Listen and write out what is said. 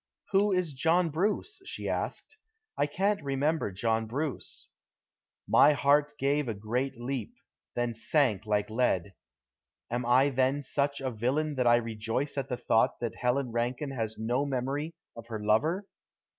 "Who is John Bruce?" she asked. "I can't remember John Bruce." My heart gave a great leap, then sank like lead. Am I then such a villain that I rejoice at the thought that Helen Rankine has no memory of her lover?